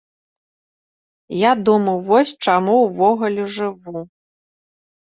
Я думаў, вось чаму ўвогуле жыву?